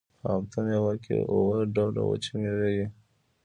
په هفت میوه کې اووه ډوله وچې میوې وي.